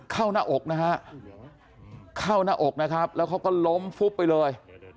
เข้าหน้าอกนะฮะเข้าหน้าอกนะครับแล้วเขาก็ล้มฟุบไปเลย